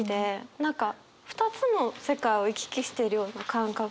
何か２つの世界を行き来しているような感覚があるので。